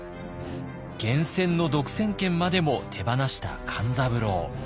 源泉の独占権までも手放した勘三郎。